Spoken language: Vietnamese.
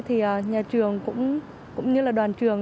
thì nhà trường cũng như là đoàn trường